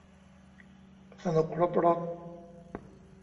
สนุกครบรส